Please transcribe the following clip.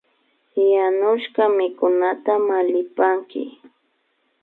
Yanushka mikunata mallipanki